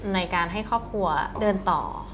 ในการให้ครอบครัวเดินต่อ